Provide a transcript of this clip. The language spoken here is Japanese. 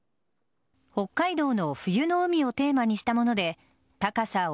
北海道の冬の海をテーマにしたもので高さ